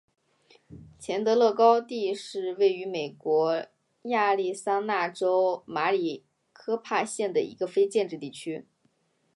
钱德勒高地是位于美国亚利桑那州马里科帕县的一个非建制地区。